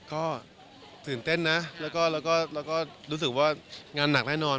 ก็ตื่นเต้นนะแล้วก็รู้สึกว่างานหนักแน่นอน